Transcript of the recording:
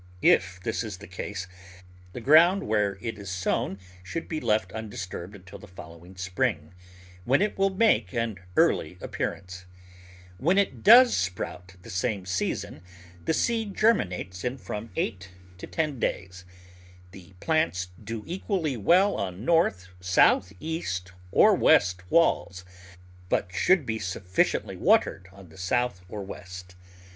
If this is the case the ground where it is sown should be left undisturbed until the follow ing spring, when it will make an early appearance. When it does sprout the same season, the seed ger Digitized by Google r34 7>fe Flower Garden [Chapter minates in from eight to ten days. The plants do equally well on north, south, east or west walls, but should be kept sufficiently watered on the south or west.